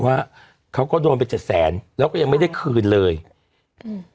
ว่าเขาก็โดนไปเจ็ดแสนแล้วก็ยังไม่ได้คืนเลยอืม